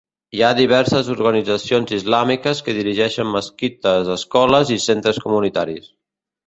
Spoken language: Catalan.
Hi ha diverses organitzacions islàmiques que dirigeixen mesquites, escoles i centres comunitaris.